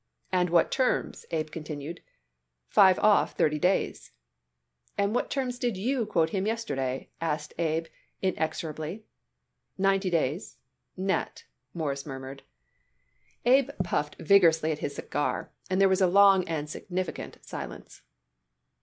"And what terms?" Abe continued. "Five off, thirty days." "And what terms did you quote him yesterday?" asked Abe inexorably. "Ninety days, net," Morris murmured. Abe puffed vigorously at his cigar, and there was a long and significant silence.